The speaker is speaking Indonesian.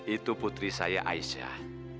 itu putri saya aisyah